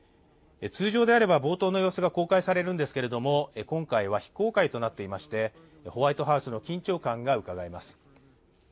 通常であれば冒頭の様子が公開されるんですけども今回は非公開となっていまして、ホワイトハウスの緊張感がうかがえます。